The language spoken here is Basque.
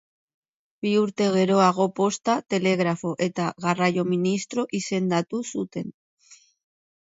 Bi urte geroago Posta, Telegrafo eta Garraio ministro izendatu zuten.